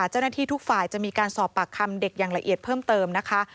เจ้าหน้าที่ทุกฝ่ายจะมีการสอบปากคำเด็กอย่างละเอียดเพิ่มเติมนะคะ